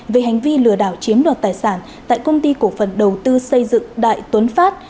về hành vi lừa đảo chiếm đoạt tài sản tại công ty cổ phần đầu tư xây dựng đại tuấn phát